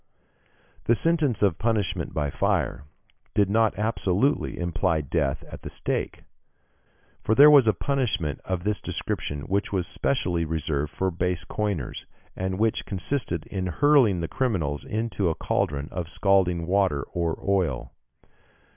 The sentence of punishment by fire did not absolutely imply death at the stake, for there was a punishment of this description which was specially reserved for base coiners, and which consisted in hurling the criminals into a cauldron of scalding water or oil.